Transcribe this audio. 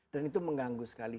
dan itu mengganggu sekali